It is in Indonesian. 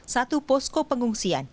satu posko pengungsian